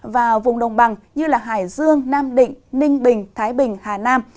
và vùng đồng bằng như hải dương nam định ninh bình thái bình hà nam